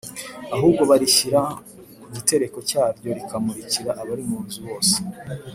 ahubwo barishyira ku gitereko cyaryo rikamurikira abari mu nzu bose.